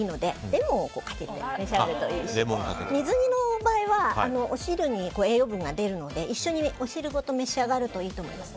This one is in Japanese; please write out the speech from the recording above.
レモンをかけて召し上がるといいですし水煮の場合はお汁に栄養分が出るので一緒にお汁ごと召し上がるといいと思います。